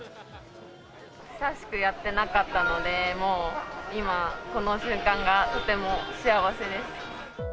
久しくやってなかったので、もう今、この瞬間がとても幸せです。